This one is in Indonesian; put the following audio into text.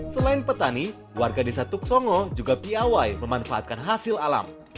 selain petani warga desa tuk songo juga piawai memanfaatkan hasil alam